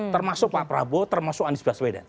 termasuk pak prabowo termasuk anies baswedan